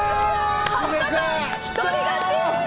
角田さん、１人勝ち！